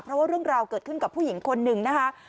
เพราะว่าเรื่องราวเกิดขึ้นกับผู้หญิงคนหนึ่งนะคะ